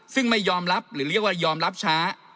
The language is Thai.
ซึ่งไม่ยอมรับหรือเรียกว่ายอมรับช้า